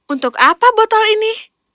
untuk apa botol ini